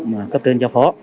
mà cấp trên giao phó